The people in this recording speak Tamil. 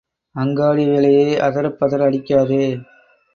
அங்காடி விலையை அதறப் பதற அடிக்காதே.